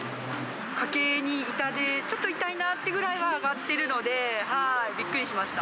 家計に痛手、ちょっと痛いなというぐらいは上がってるので、びっくりしました。